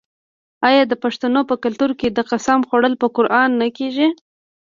آیا د پښتنو په کلتور کې د قسم خوړل په قران نه کیږي؟